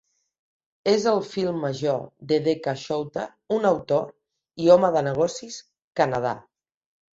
És el fill major de D. K. Chowta, un autor i home de negocis kannada.